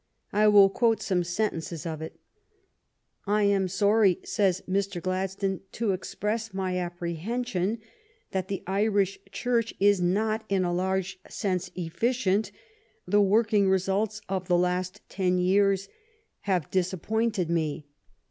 I will quote some sentences of it. " I am sorry," says Mr. Gladstone, " to express my apprehension that the Irish Church is not in a large sense efficient; the working results of the last ten years have disappointed me.